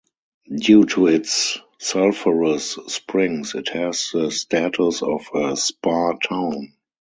Due to its sulphurous springs it has the status of a spa town.